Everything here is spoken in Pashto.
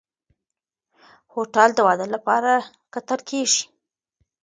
هوټل د واده لپاره کتل کېږي.